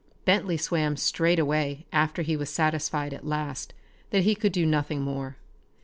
Bentley swam straight away after he was satisfied at last that he could do nothing more.